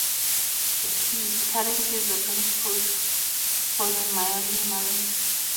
He is currently the bench coach for the Miami Marlins.